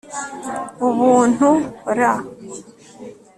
ubuntu+r